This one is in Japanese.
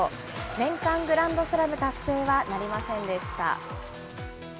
年間グランドスラム達成はなりませんでした。